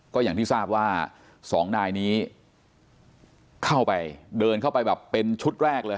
ก็อย่างที่ทราบว่าสองนายนี้เข้าไปเดินเข้าไปแบบเป็นชุดแรกเลย